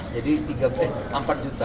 jadi empat juta